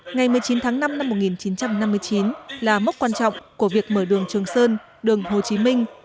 ngày một mươi chín tháng năm năm một nghìn chín trăm năm mươi chín là mốc quan trọng của việc mở đường trường sơn đường hồ chí minh